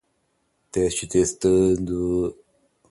Teste testando